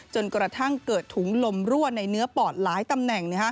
จนกระทั่งเกิดถุงลมรั่วในเนื้อปอดหลายตำแหน่ง